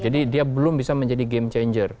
jadi dia belum bisa menjadi game changer